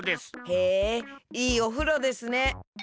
へえいいおふろですね。